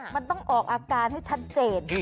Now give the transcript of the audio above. มันต้องออกอาการให้ชัดเจน